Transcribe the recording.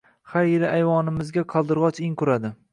...Har yili ayvonimizga qaldirgʻoch in quradi.